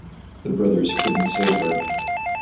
The brothers couldn't save her.